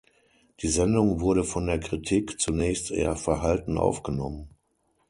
Die Sendung wurde von der Kritik zunächst eher verhalten aufgenommen.